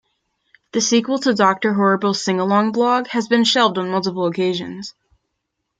The sequel to "Doctor Horrible's Sing-Along Blog" has been shelved on multiple occasions.